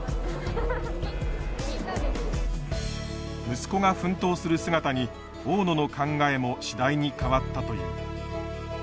息子が奮闘する姿に大野の考えも次第に変わったという。